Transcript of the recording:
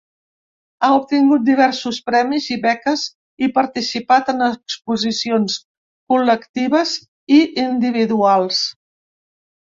Ha obtingut diversos premis i beques i participat en exposicions col·lectives i individuals.